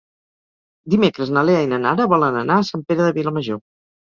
Dimecres na Lea i na Nara volen anar a Sant Pere de Vilamajor.